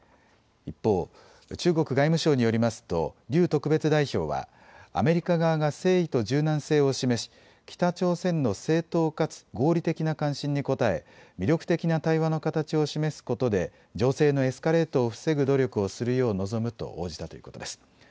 一方、中国外務省によりますと劉特別代表はアメリカ側が誠意と柔軟性を示し北朝鮮の正当かつ合理的な関心に応え魅力的な対話の形を示すことで情勢のエスカレートを防ぐ努力をするよう望むと応じたということです。